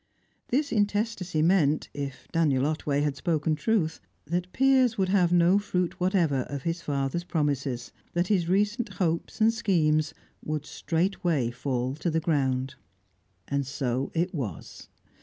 This intestacy meant (if Daniel Otway had spoken truth) that Piers would have no fruit whatever of his father's promises; that his recent hopes and schemes would straightway fall to the ground. And so it was.